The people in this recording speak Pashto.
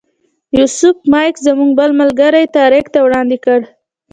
یوسف مایک زموږ بل ملګري طارق ته وړاندې کړ.